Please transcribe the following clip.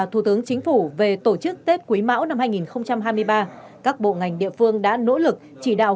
thủ tướng chính phủ về tổ chức tết quý mão năm hai nghìn hai mươi ba các bộ ngành địa phương đã nỗ lực chỉ đạo